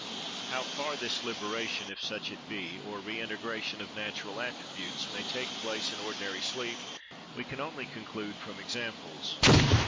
How far this liberation (if such it be), or reintegration of natural attributes, may take place in ordinary sleep, we can only conclude from examples.